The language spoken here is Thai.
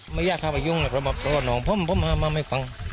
ไม่อยากทำอะไรยุ่งแหละผมมาไม่ฟัง